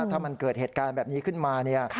ถ้ามันเกิดเหตุการณ์แบบนี้ขึ้นมา